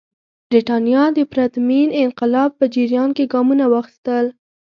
برېټانیا د پرتمین انقلاب په جریان کې ګامونه واخیستل.